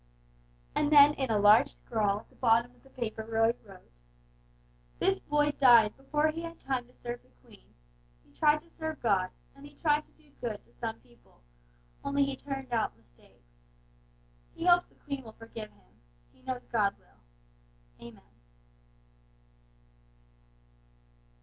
And then in a large scrawl at the bottom of the paper Roy wrote "This boy died before he had time to serve the Queen, he tried to serve God, and he tried to do good to some people, only they turned out mistakes. He hopes the Queen will forgive him; he knows God will. Amen."